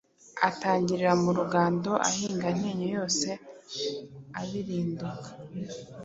Atangirira mu Rugondo, ahinga Ntenyo yose, abirinduka